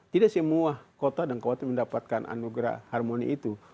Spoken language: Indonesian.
tidak semua kota dan kabupaten mendapatkan anugerah harmoni itu